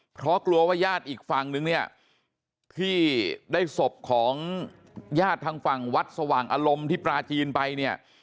เพราะกลัวว่าญาติอีกฝั่งนึงเนี่ยที่ได้ศพของญาติทางฝั่งวัดสว่างอารมณ์ที่ปลาจีนไปเนี่ย